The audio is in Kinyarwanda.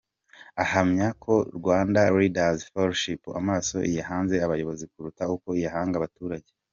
Ahamya ko Rwanda Leaders Fellowship amaso iyahanze abayobozi kuruta uko iyahanga abaturage.